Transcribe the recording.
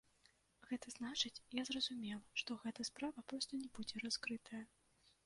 Гэта значыць, я зразумела, што гэта справа проста не будзе раскрытая.